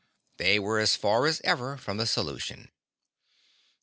They were as far as ever from the solution.